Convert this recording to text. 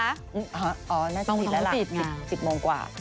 อ๋อรถจะติดแล้วล่ะ๑๐โมงกว่า